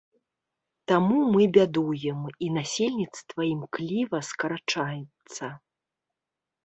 Таму мы бядуем і насельніцтва імкліва скарачаецца.